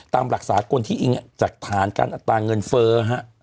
ตามหลักสากลที่อิงจากฐานการอัตราเงินเฟ้อฮะ